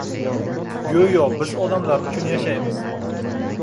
Go‘yo biz odamlar uchun yashaymiz.